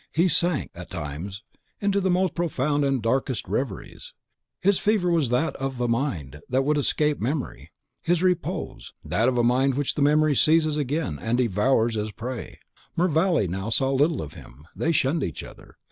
He sank, at times, into the most profound and the darkest reveries. His fever was that of a mind that would escape memory, his repose, that of a mind which the memory seizes again, and devours as a prey. Mervale now saw little of him; they shunned each other.